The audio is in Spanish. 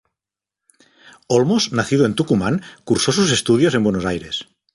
Olmos, nacido en Tucumán, cursó sus estudios en Buenos Aires.